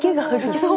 そう。